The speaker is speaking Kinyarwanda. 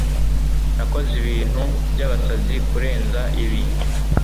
nakoze ibintu byabasazi kurenza ibi